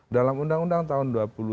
dalam undang undang tahun dua puluh